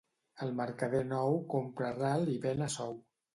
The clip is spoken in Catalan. El mercader nou compra a ral i ven a sou.